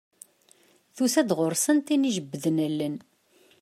Tusa-d ɣur-sen tin ijebbden allen.